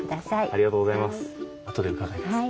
ありがとうございます。